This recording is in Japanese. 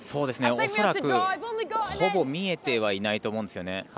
恐らく、ほぼ見えてはいないと思うんですよね。